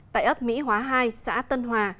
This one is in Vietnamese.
tại ấp mỹ hóa hai xã tân hòa